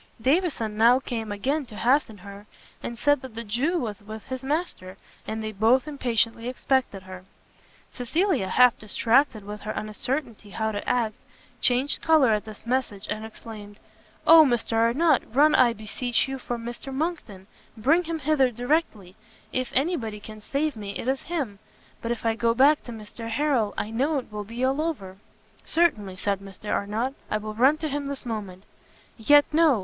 Davison now came again to hasten her, and said that the Jew was with his master, and they both impatiently expected her. Cecilia, half distracted with her uncertainty how to act, changed colour at this message, and exclaimed "Oh Mr Arnott, run I beseech you for Mr Monckton! bring him hither directly, if any body can save me it is him; but if I go back to Mr Harrel, I know it will be all over!" "Certainly," said Mr Arnott, "I will run to him this moment." "Yet no!